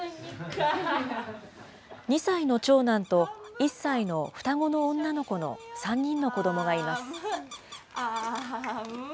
２歳の長男と１歳の双子の女の子の３人の子どもがいます。